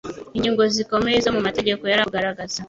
Ingingo zikomeye zo mu mategeko yari amaze kugaragaza,